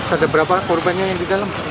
ada berapa korbannya yang di dalam